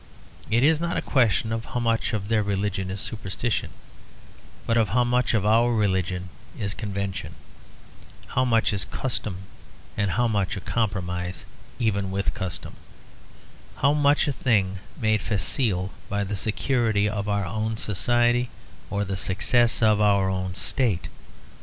It is not a question of how much of their religion is superstition, but of how much of our religion is convention; how much is custom and how much a compromise even with custom; how much a thing made facile by the security of our own society or the success of our own state.